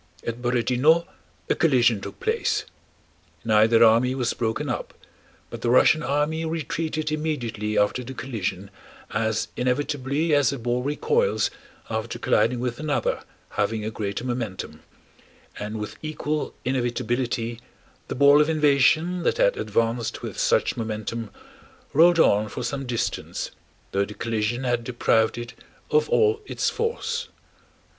At Borodinó a collision took place. Neither army was broken up, but the Russian army retreated immediately after the collision as inevitably as a ball recoils after colliding with another having a greater momentum, and with equal inevitability the ball of invasion that had advanced with such momentum rolled on for some distance, though the collision had deprived it of all its force.